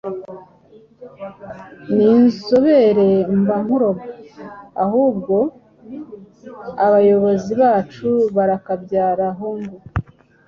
Ni inzobere mba nkuroga! Ahubwo abayobozi bacu barakabyara hungu